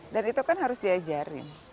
dan itu kan harus diajarin